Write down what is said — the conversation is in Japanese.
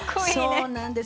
そうなんです。